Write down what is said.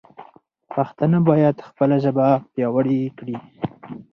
پښتانه باید خپله ژبه پیاوړې کړي.